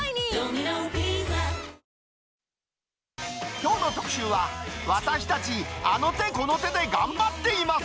きょうの特集は、私たち、あの手この手で頑張っています。